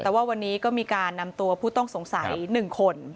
แต่ว่าวันนี้ก็มีการนำตัวผู้ต้องสงสัย๑คน